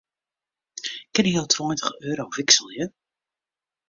Kinne jo tweintich euro wikselje?